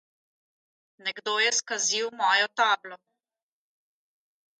Nekdo je skazil mojo tablo.